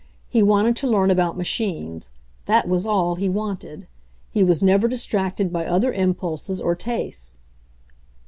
He wanted to learn about machines ; that was all he wanted. He was never distracted by other impulses or tastes.